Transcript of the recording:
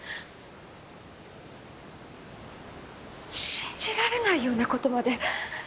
信じられないようなことまで。